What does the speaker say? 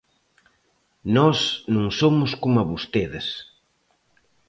Nós non somos coma vostedes.